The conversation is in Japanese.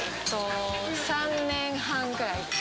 ３年半くらいです。